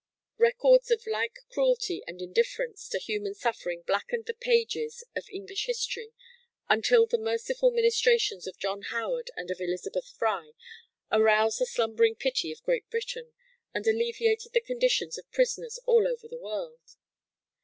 Records of like cruelty and indifference to human suffering blackened the pages of English history until the merciful ministrations of John Howard and of Elizabeth Frye aroused the slumbering pity of Great Britain, and alleviated the conditions of prisoners all over the world.